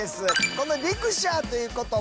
この「リクシャー」という言葉